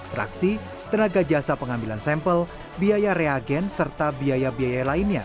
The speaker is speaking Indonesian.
ekstraksi tenaga jasa pengambilan sampel biaya reagen serta biaya biaya lainnya